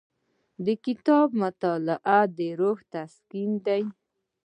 د کتاب مطالعه د روح تسکین دی.